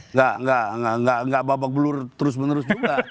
nggak babak belur terus menerus juga